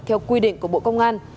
theo quy định của bộ công an